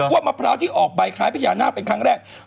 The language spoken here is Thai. ว่ามะพร้าวที่ออกใบคล้ายพญานาคเป็นครั้งแรก